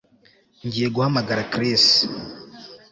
Ngiye guhamagara Chris